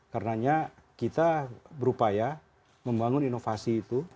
karena kita berupaya membangun inovasi itu